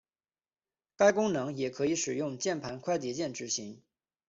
该功能也可以使用键盘快捷键执行。